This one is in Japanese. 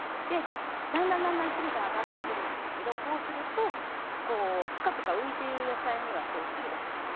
だんだんだんだん汁が上がってくるんですけどこうするとプカプカ浮いている野菜には汁が浸からないんです。